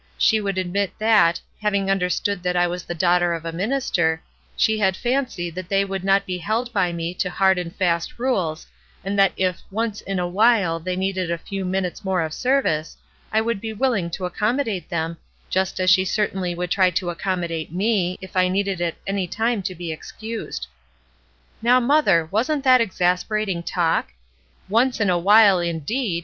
She would admit that, having understood that I was the daughter of a minister, she had fancied that they would not be held by me to hard and fast rules, and that if once in a while they needed a few minutes more of service, I would be willing to accommo date them, just as she certainly would try to accommodate me if I needed at any time to be excused. Now, mother, wasn't that exas perating talk ?' Once in a while,' indeed